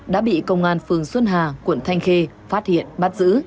đã bị công an phường xuân hà quận thanh khê phát hiện bắt giữ